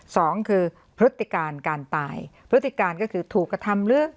สองคือพฤติการการตายพฤติการก็คือถูกกระทำหรือ